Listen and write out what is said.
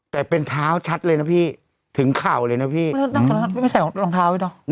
แต่เป็นเท้าชัดเลยนะพี่ถึงเข่าเลยนะพี่แล้วไม่ใส่รองเท้าด้วยเนอะ